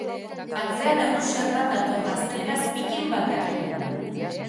Atzean errusiar bat dator, gazteleraz pittin bat dakiena.